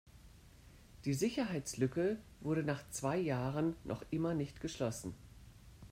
Die Sicherheitslücke wurde nach zwei Jahren noch immer nicht geschlossen.